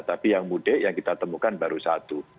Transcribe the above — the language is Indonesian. tapi yang mudik yang kita temukan baru satu